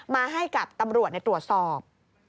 มาให้กับตำรวจตรวจสอบ